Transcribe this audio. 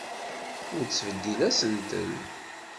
Ur ttbeddil asentel.